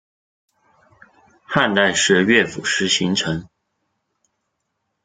汉代时乐府诗形成。